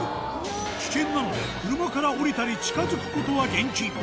危険なので、車から降りたり、近づくことは厳禁。